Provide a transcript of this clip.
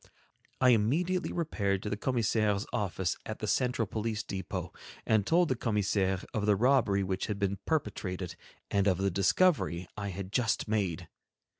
I immediately repaired to the commissaire's office at the central police depot, and told the commissaire of the robbery which had been perpetrated and of the discovery I had just made.